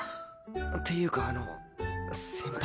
っていうかあの先輩。